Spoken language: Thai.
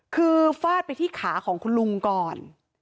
คือฟาดไปที่ขาของคุณลุงก่อน